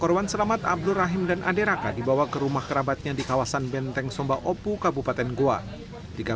korban selamat abdul rahim dan aderaka dibawa ke rumah kerabatnya di kawasan benteng somba opu kabupaten goa